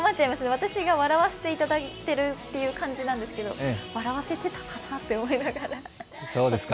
私が笑わせていただいているという感じなんですけど、笑わせてたのかなって思いながら。